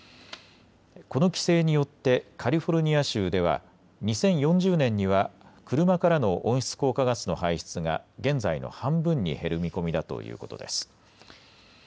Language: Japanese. この規制によってカリフォルニア州では２０４０年には車からの温室効果ガスの排出が現在の半分に減る見込みだということです。